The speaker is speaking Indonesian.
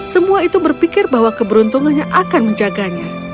semua itu berpikir bahwa keberuntungannya akan menjaganya